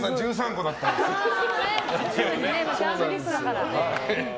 ジャーナリストだから。